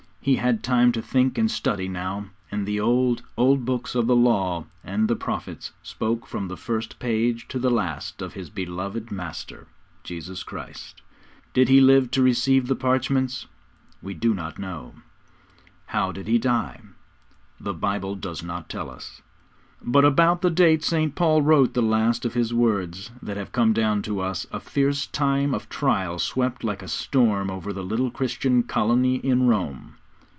He had time to think and study now; and the old, old Books of the Law and the Prophets spoke from the first page to the last of his beloved Master, Jesus Christ. Did he live to receive the parchments? We do not know. How did he die? The Bible does not tell us. But about the date St. Paul wrote the last of his words that have come down to us, a fierce time of trial swept like a storm over the little Christian colony in Rome.